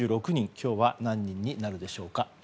今日は何人になるでしょうか。